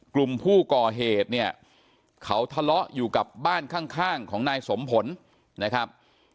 กลุ่มผู้ก่อเหตุเนี่ยเขาทะเลาะอยู่กับบ้านข้างของนายสมผลนะครับ